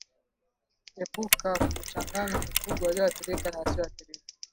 Epuka kuchanganya mifugo walioathirika na wasioathirika